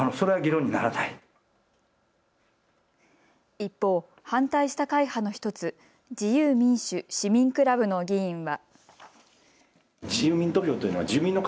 一方、反対した会派の１つ、自由民主・市民クラブの議員は。